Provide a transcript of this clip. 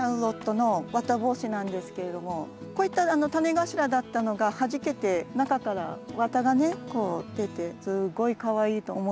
’の綿帽子なんですけれどもこういった種頭だったのがはじけて中から綿がねこう出てすっごいかわいいと思います。